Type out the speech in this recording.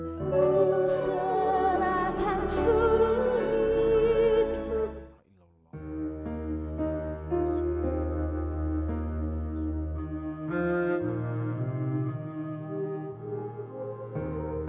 aku serahkan seluruh hidup